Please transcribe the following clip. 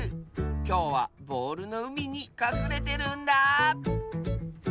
きょうはボールのうみにかくれてるんだあ。